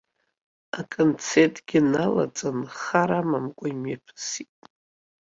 Аконцертгьы налаҵаны, хар амамкәа имҩаԥысит.